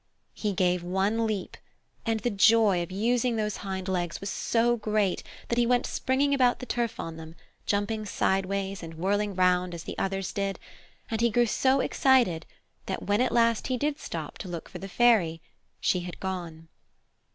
He gave one leap and the joy of using those hind legs was so great that he went springing about the turf on them, jumping sideways and whirling round as the others did, and he grew so excited that when at last he did stop to look for the Fairy she had gone.